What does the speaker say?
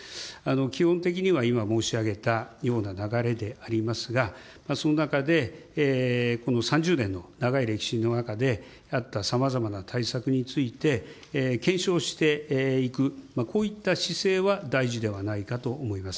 基本的には今申し上げたような流れでありますが、その中で、この３０年の長い歴史の中で、やったさまざまな対策について、検証していく、こういった姿勢は大事ではないかと思います。